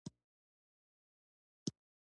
انګلیسي د سیاسي خبرو ژبه ده